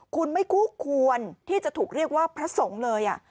คุณไม่คู่ควรที่จะถูกเรียกว่าพระสงฆ์เลย